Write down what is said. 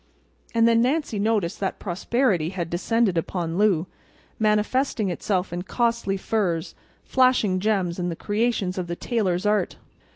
And then Nancy noticed that prosperity had descended upon Lou, manifesting itself in costly furs, flashing gems, and creations of the tailors' art.